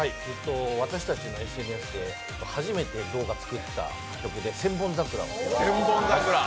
私たちのＳＮＳで初めて動画を作った曲で「千本桜」をやります。